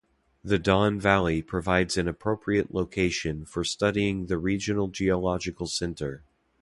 The Don Valley provides an appropriate location for studying the regional geological history.